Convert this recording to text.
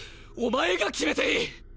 お前が決めていい！！